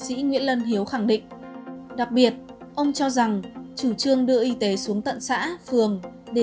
sĩ nguyễn lân hiếu khẳng định đặc biệt ông cho rằng chủ trương đưa y tế xuống tận xã phường để